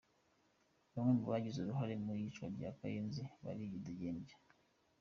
Bamwe mu bagize uruhara mu iyicwa rya Kagenzi baridegembya.